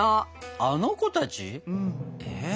あの子たち？